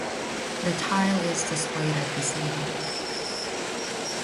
The tile is displayed at the city hall.